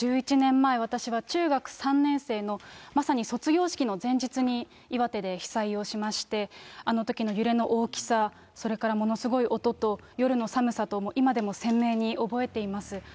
１１年前、私は中学３年生の、まさに卒業式の前日に岩手で被災をしまして、あのときの揺れの大きさ、それからものすごい音と夜の寒さと、今でも鮮明に覚えています。